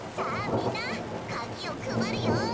みんなカギをくばるよ！